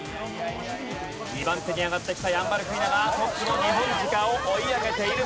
２番手に上がってきたヤンバルクイナがトップのニホンジカを追い上げているぞ。